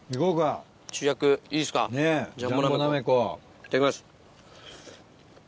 いただきます。